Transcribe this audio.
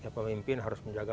ya pemimpin harus menjaga